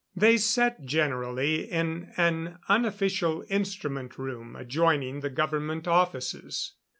They sat generally in an unofficial instrument room adjoining the government offices.